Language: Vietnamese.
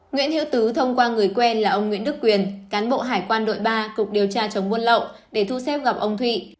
nguyễn hữu tứ thông qua người quen là ông nguyễn đức quyền cán bộ hải quan đội ba cục điều tra chống buôn lậu để thu xếp gặp ông thụy